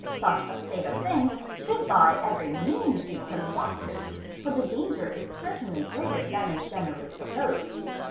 Such a state of things should by every means be put a stop to, for the danger is certainly greater than is generally supposed.